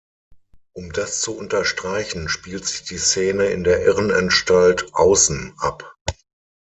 Um das zu unterstreichen, spielt sich die Szene in der Irrenanstalt "außen" ab.